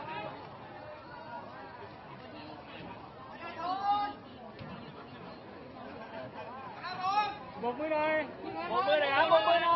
เดี๋ยวก็จะมีสไปอีกหน่อยนะครับทุบนะครับจ่ายน้ำเลย